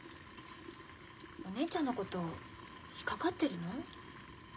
お姉ちゃんのこと引っ掛かってるの？